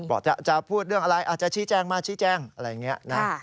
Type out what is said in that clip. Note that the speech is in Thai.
จะพูดเรื่องอะไรอาจจะชี้แจงมาชี้แจงอะไรอย่างนี้นะ